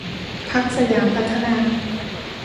พรรคสยามพัฒนา